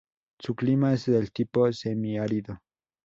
Su clima es del tipo semiárido.